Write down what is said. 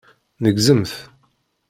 Neggzemt.